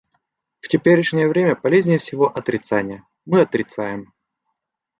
В теперешнее время полезнее всего отрицание - мы отрицаем.